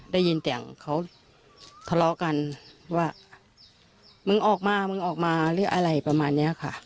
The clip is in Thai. ได้ยินเสียงเขาทะเลาะกันว่ามึงออกมามึงออกมาหรืออะไรประมาณนี้ค่ะ